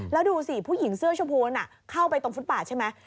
แล้วดูสิผู้หญิงเสื้อชมพูนเข้าไปตรงฟุตบาทใช่ไหม